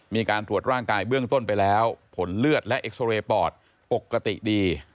มีการตรวจร่างกายเบื้องต้นไปแล้วผลเลือดและเอ็กซอเรย์ปอดปกติดี